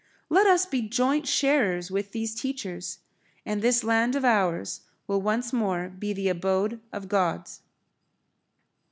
Let us be joint sharers with these teachers, and this land of ours will once more be the abode of gods.